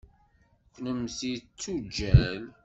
Kennemti d tuǧǧal?